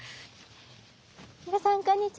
皆さんこんにちは！